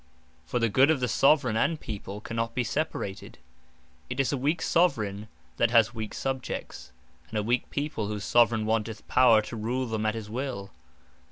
For the good of the Soveraign and People, cannot be separated. It is a weak Soveraign, that has weak Subjects; and a weak People, whose Soveraign wanteth Power to rule them at his will.